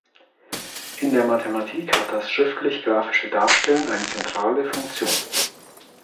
In der Mathematik hat das schriftlich-grafische Darstellen eine zentrale Funktion.